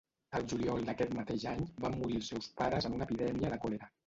El juliol d'aquest mateix any van morir els seus pares en una epidèmia de còlera.